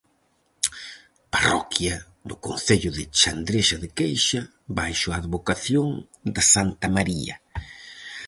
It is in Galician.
Parroquia do concello de Chandrexa de Queixa baixo a advocación de santa María.